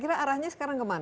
kira arahnya sekarang kemana